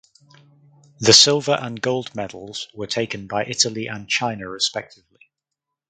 The silver and gold medals were taken by Italy and China respectively.